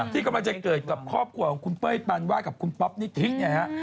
ที่กำลังจะเกิดกับครอบครัวของคุณเป้ยปานวาดกับคุณป๊อปนิธิเนี่ยฮะ